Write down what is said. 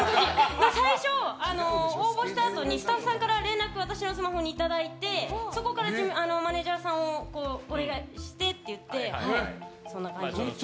最初、応募したあとにスタッフさんから連絡を私のスマホにいただいてそこからマネジャーさんを経由してって感じです。